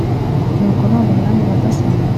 Nuko none Mwami Nyagasani